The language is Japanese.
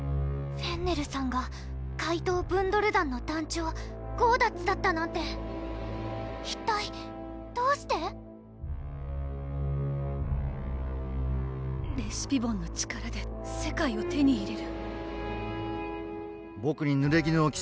フェンネルさんが怪盗ブンドル団の団長・ゴーダッツだったなんて一体どうしてレシピボンの力で世界を手に入れる？